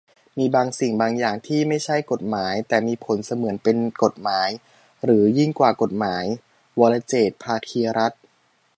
"มีบางสิ่งบางอย่างที่ไม่ใช่กฎหมาย แต่มีผลเสมือนเป็นกฎหมาย หรือยิ่งกว่ากฎหมาย" - วรเจตน์ ภาคีรัตน์